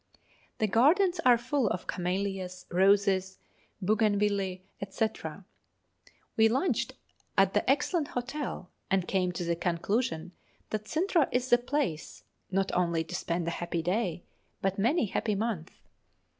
The gardens are full of camellias, roses, bougainvillea, &c. We lunched at the excellent hotel, and came to the conclusion that Cintra is the place, not only 'to spend a happy day,' but many happy months.